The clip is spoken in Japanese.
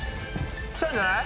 きたんじゃない⁉